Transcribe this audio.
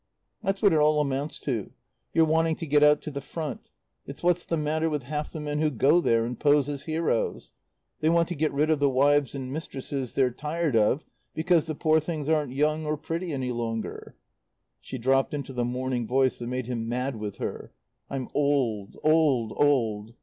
"That's what it all amounts to your wanting to get out to the Front. It's what's the matter with half the men who go there and pose as heroes. They want to get rid of the wives and mistresses they're tired of because the poor things aren't young or pretty any longer." She dropped into the mourning voice that made him mad with her. "I'm old old old.